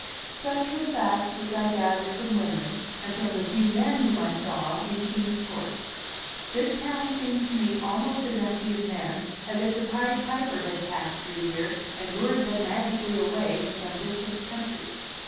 Such were the facts which I gathered from women and from the few men whom I saw in Kings Port. This town seemed to me almost as empty of men as if the Pied Piper had passed through here and lured them magically away to some distant country.